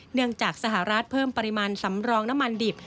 จากสหรัฐเพิ่มปริมาณสำรองน้ำมันดิบ